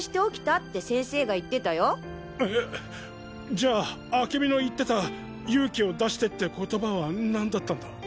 じゃあ明美の言ってた「勇気を出して」って言葉は何だったんだ？